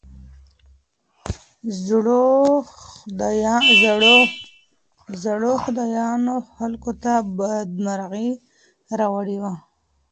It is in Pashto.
زړو خدايانو خلګو ته بدمرغي راوړې وه.